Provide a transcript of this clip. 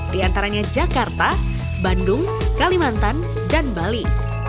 di antaranya jakarta bandung kalimantan dan bali